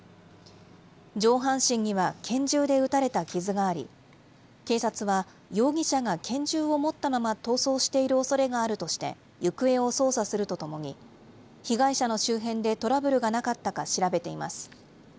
上半身には拳銃で撃たれた傷があり、警察は容疑者が拳銃を持ったまま逃走しているおそれがあるとして、行方を捜査するとともに、被害者の周辺でトラブルがなかったか調べています。